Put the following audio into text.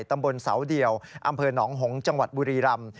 ตำบลเสาเดียวอำเภอหนองหงษ์จังหวัดบุรีรำ